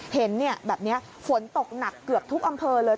เห็นแบบนี้ฝนตกหนักเกือบทุกอำเภอเลย